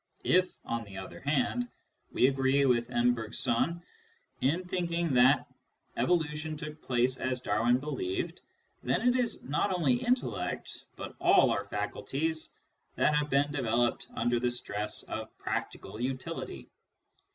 If, on the other hand, we agree with M. Bergson in thinking that evolution took place as Darwin believed, then it is not only intellect, but all our faculties, that have been developed under the stress of practical utility.